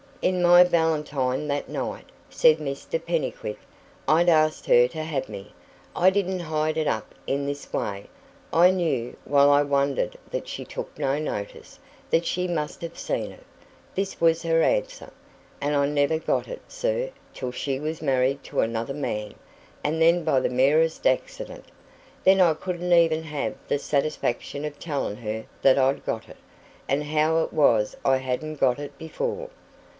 "In my valentine that night," said Mr Pennycuick, "I'd asked her to have me. I didn't hide it up in this way; I knew, while I wondered that she took no notice, that she must have seen it. This was her answer. And I never got it, sir, till she was married to another man and then by the merest accident. Then I couldn't even have the satisfaction of telling her that I'd got it, and how it was I hadn't got it before.